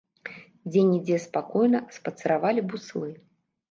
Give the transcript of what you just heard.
Дзе-нідзе спакойна спацыравалі буслы.